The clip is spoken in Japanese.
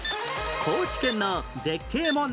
高知県の絶景問題